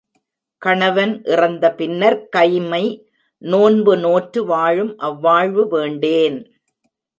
கணவன் இறந்த பின்னர்க் கைம்மை நோன்பு நோற்று வாழும் அவ்வாழ்வு வேண்டேன்.